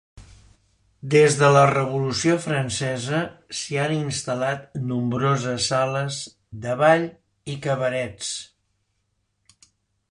Des de la Revolució Francesa s'hi han instal·lat nombroses sales de ball i cabarets.